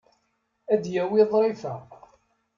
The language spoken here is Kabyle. Ad d-yawi ḍrifa.